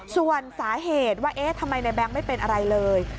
ส่วนสาเหตุว่าเอ๊ะทำไมในแบงค์ไม่เป็นอะไรเลย